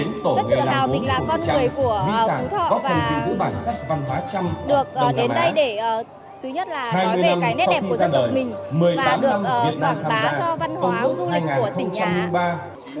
rất tự hào tỉnh là con người của phú thọ và được đến đây để thứ nhất là nói về cái nét đẹp của dân tộc mình và được tỏa tá cho văn hóa du lịch của tỉnh nhà